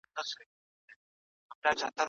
په ټولنه کې بېوزلي تر هغه ډېره ده چې ګومان کیده.